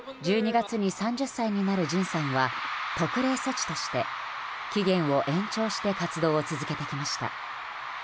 １２月に３０歳になるＪＩＮさんは特例措置として、期限を延長して活動を続けてきました。